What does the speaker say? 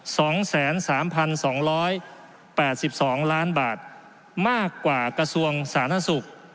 สองแสนสามพันสองร้อยแปดสิบสองล้านบาทมากกว่ากระทรวงสาธารณสุข